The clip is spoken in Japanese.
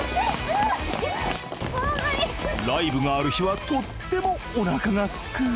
ライブがある日はとってもおなかがすく！